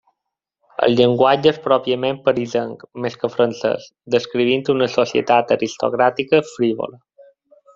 El llenguatge és pròpiament parisenc, més que francès, descrivint una societat aristocràtica frívola.